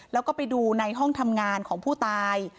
แล้วก็ไปดูในห้องทำงานของผู้ตาย